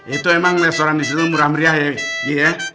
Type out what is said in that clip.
itu emang restoran disitu murah meriah ya ji ya